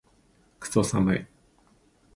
クソ寒い